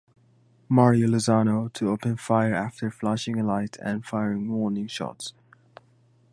Mario Lozano, to open fire after flashing a light and firing warning shots.